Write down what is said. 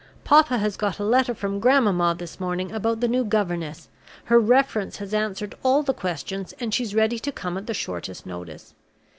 Papa has got a letter from grandmamma this morning about the new governess. Her reference has answered all the questions, and she's ready to come at the shortest notice.